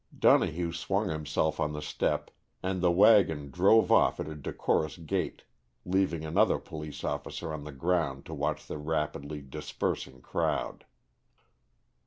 Donohue swung himself on the step and the wagon drove off at a decorous gait, leaving another police officer on the ground to watch the rapidly dispersing crowd.